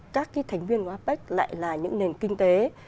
các thành viên của apec lại là những nền kinh tế